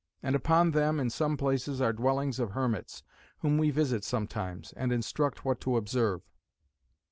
And upon them, in some places, are dwellings of hermits, whom we visit sometimes, and instruct what to observe.